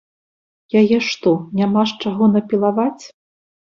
Яе што, няма з чаго напілаваць?